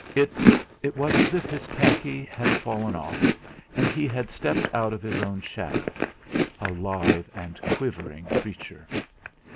It was as if his khaki had fallen off, and he had stepped out of his own shadow, a live and quivering creature.